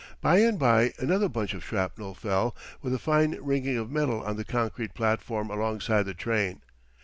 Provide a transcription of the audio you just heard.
By and by another bunch of shrapnel fell with a fine ringing of metal on the concrete platform alongside the train.